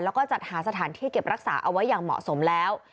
แล้วก็จัดหาสถานที่เก็บรักษาเอาไว้อย่างเหมาะสมแล้ว